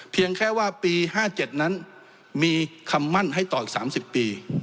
เพียงแค่ว่าปี๕๗นั้นมีคำมั่นให้ต่ออีก๓๐ปี